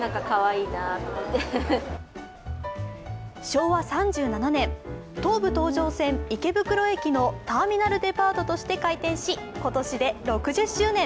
昭和３７年、東武東上線・池袋駅のターミナルデパートとして開店し、今年で６０周年。